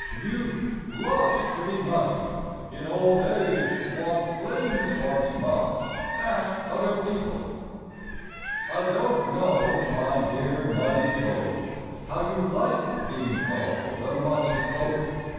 Youth loves to be muddied; In old age one flings one's mud at other people. I don't know, my dear Muddied Oaf, How you like being called a Muddied Oaf.